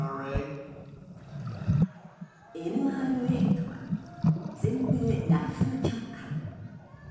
ＮＲＡとは全米ライフル協会。